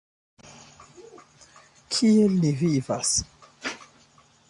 Kiel ni vivas?